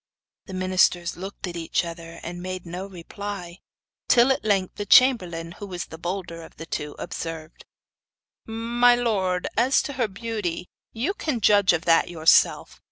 The ministers looked at each other, and made no reply; till at length the chamberlain, who was the bolder of the two, observed: 'My lord, as to her beauty, you can judge of that for yourself.